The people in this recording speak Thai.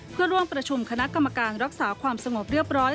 เพื่อร่วมประชุมคณะกรรมการรักษาความสงบเรียบร้อย